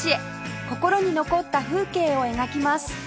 心に残った風景を描きます